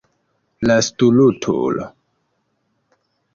La stultulo.